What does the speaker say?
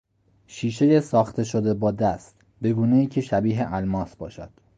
شیشهی ساخته شده با دست به گونهای که شبیه الماس باشد